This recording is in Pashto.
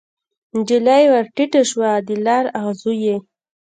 نجلۍ ورټیټه شوه د لار اغزو یې